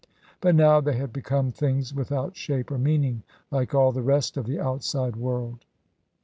But now they had become things without shape or meaning, like all the rest of the outside world.